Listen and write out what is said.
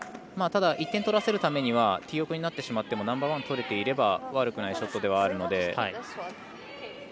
ただ１点取らせるためにはティー横になってしまってもナンバーワンがとれていれば悪くないショットなので。